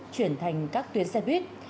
chuyển thành các tuyến xe buýt